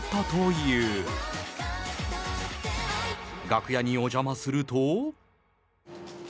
楽屋にお邪魔すると。